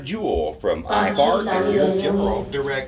Pachid taui bednu nid